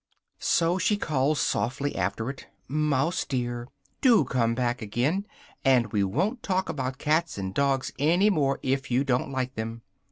So she called softly after it: "mouse dear! Do come back again, and we won't talk about cats and dogs any more, if you don't like them!"